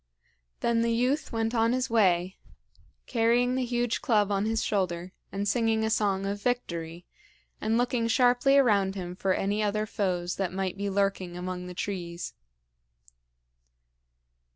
Then the youth went on his way, carrying the huge club on his shoulder, and singing a song of victory, and looking sharply around him for any other foes that might be lurking among the trees.